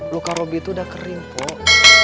luka robin tuh udah kering mpok